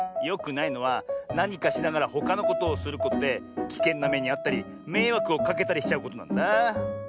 よくないのはなにかしながらほかのことをすることできけんなめにあったりめいわくをかけたりしちゃうことなんだなあ。